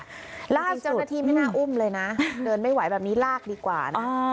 ลากเจ้าหน้าที่ไม่น่าอุ้มเลยนะเดินไม่ไหวแบบนี้ลากดีกว่านะ